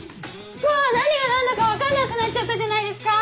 うわ何が何だか分からなくなっちゃったじゃないですか！